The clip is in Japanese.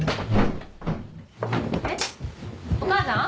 えっお母さん？